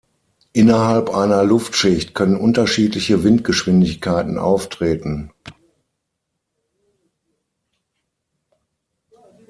Innerhalb einer Luftschicht können unterschiedliche Windgeschwindigkeiten auftreten.